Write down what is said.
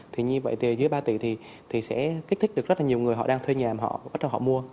thì như vậy từ dưới ba tỷ thì sẽ kích thích được rất là nhiều người họ đang thuê nhà mà họ bắt đầu họ mua